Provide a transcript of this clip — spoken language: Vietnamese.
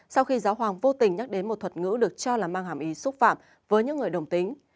sau khi giáo hoàng vô tình nhắc đến một thuật ngữ được cho là mang hàm ý xúc phạm với những người đồng tính